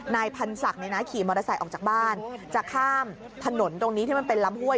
นายพันธ์ศักดิ์ขี่มอเตอร์ไซค์ออกจากบ้านจะข้ามถนนตรงนี้ที่มันเป็นลำห้วย